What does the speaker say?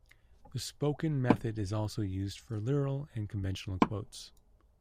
This spoken method is also used for literal and conventional quotes.